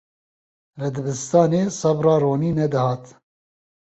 Li dibistanê sebira Ronî nedihat.